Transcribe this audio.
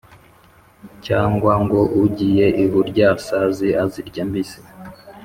Cyangwa ngo ugiye ihurya sazi azirya mbisi